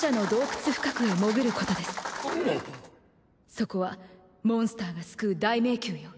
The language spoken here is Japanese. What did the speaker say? そこはモンスターが巣食う大迷宮よ。